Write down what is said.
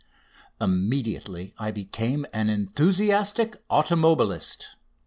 Immediately I became an enthusiastic automobilist.